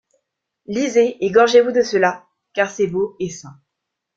Lisez et gorgez-vous de cela, car c’est beau et sain.